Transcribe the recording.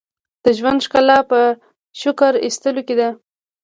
• د ژوند ښکلا په شکر ایستلو کې ده.